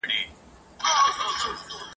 زه رنګین لکه پانوس یم زه د شمعی پیره دار یم ..